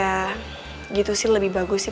ya gitu sih lebih bagus sih